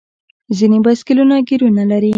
ځینې بایسکلونه ګیرونه لري.